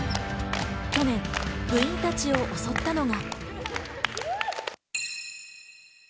去年、部員たちを襲ったのが。